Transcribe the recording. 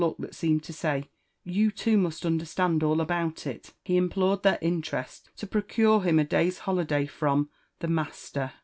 look that seemed to say, .''You too must understand all about it," he implored their interest to proc^re him a day's holi day from "the master."